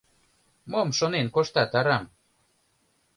Мом шонен коштат арам?